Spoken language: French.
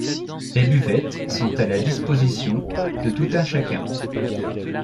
Des buvettes sont à la disposition de tout un chacun.